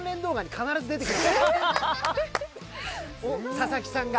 佐々木さんが。